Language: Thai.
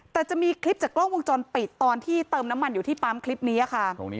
แต่จะมีคลิปจากกล้องวงจรปิดตอนที่เติมน้ำมันอยู่ที่ปั๊มคลิปนี้ค่ะ